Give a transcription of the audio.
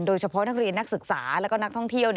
โดยเฉพาะนักเรียนนักศึกษาแล้วก็นักท่องเที่ยว